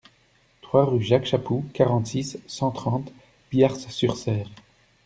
trois rue Jacques Chapou, quarante-six, cent trente, Biars-sur-Cère